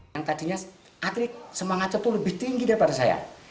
yang tadinya atlet semangatnya itu lebih tinggi daripada saya